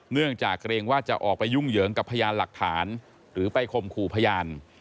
เนื่องจากเกรงว่าจะออกไปยุ่งเหยิงกับพยานหลักฐานหรือไปข่มขู่พยาน